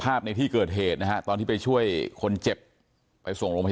เพราะไม่เคยถามลูกสาวนะว่าไปทำธุรกิจแบบไหนอะไรยังไง